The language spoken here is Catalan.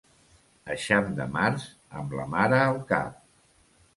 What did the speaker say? Eixam de març, amb la mare al cap.